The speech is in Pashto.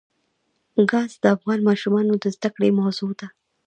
ګاز د افغان ماشومانو د زده کړې موضوع ده.